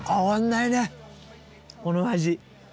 この味。